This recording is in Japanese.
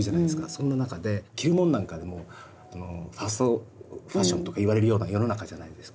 そんな中で着るものなんかでもファストファッションとかいわれるような世の中じゃないですか。